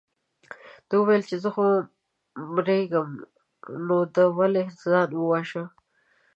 ده وویل زه خو مرېږم نو ده ولې ځان وواژه.